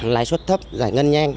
lãi suất thấp giải ngân nhanh